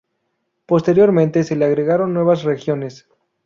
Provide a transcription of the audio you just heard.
Posteriormente se le agregaron nuevas regiones.